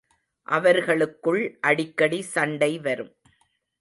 அவர்களுக்குள் அடிக்கடி சண்டை வரும்.